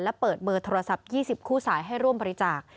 และเปิดเบอร์โทรศัพท์๒๐คู่สายให้ร่วมบริจาค